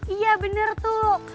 iya bener tuh